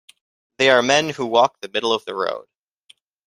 They are men who walk the middle of the road.